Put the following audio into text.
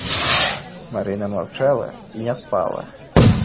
Марына маўчала і не спала.